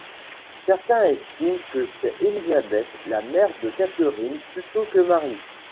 Certain estime que c'est Elisabeth, la mère de Catherine, plutôt que Marie.